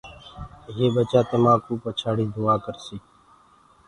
يي ٻچآ تمآنٚ ڪوُ پڇآڙيٚ دُئآ ڪرسيٚ